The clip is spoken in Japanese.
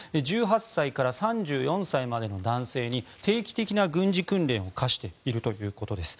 １８歳から３４歳までの男性に定期的な軍事訓練を課しているということです。